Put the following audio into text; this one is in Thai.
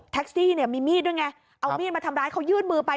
ซี่เนี่ยมีมีดด้วยไงเอามีดมาทำร้ายเขายื่นมือไป